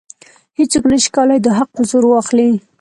هیڅوک نشي کولی دا حق په زور واخلي.